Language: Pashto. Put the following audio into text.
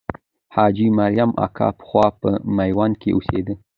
حاجي مریم اکا پخوا په میوند کې اوسېده.